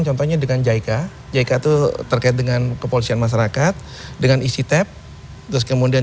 semuanya dengan jika jika tuh terkait dengan kepolisian masyarakat dengan isi tab terus kemudian